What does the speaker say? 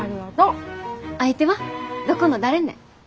相手はどこの誰ね。